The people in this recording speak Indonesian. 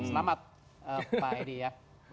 selamat pak edi ya